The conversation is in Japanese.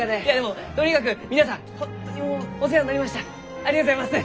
ありがとうございます！